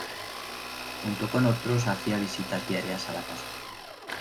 Junto con otros hacía visitas diarias a la casa.